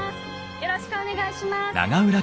よろしくお願いします！